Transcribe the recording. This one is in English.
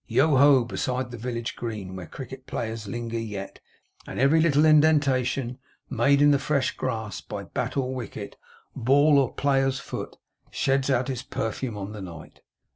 Yoho, beside the village green, where cricket players linger yet, and every little indentation made in the fresh grass by bat or wicket, ball or player's foot, sheds out its perfume on the night.